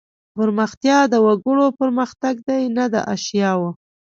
پرمختیا د وګړو پرمختګ دی نه د اشیاوو.